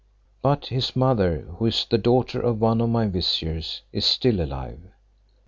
But his mother, who is the daughter of one of my viziers, is still alive."